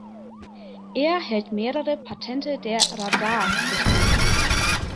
Er hält mehrere Patente der Radar-Technologie.